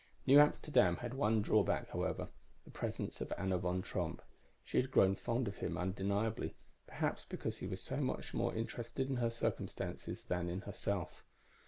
New Amsterdam had one drawback, however the presence of Anna Von Tromp. She had grown fond of him, undeniably, perhaps because he was so much more interested in her circumstances than in herself.